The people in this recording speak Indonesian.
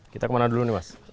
kita kemana dulu nih mas